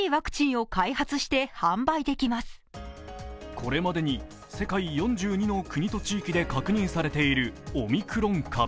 これまでに世界４２の国と地域で確認されているオミクロン株。